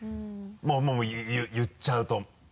もう言っちゃうと。